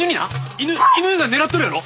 犬犬が狙っとるやろ？